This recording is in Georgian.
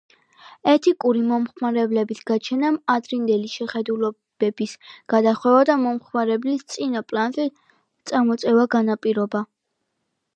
ეთიკური მომხმარებლების გაჩენამ ადრინდელი შეხედულებების გადახედვა და მოხმარების წინა პლანზე წამოწევა განაპირობა.